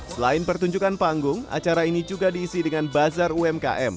selain pertunjukan panggung acara ini juga diisi dengan bazar umkm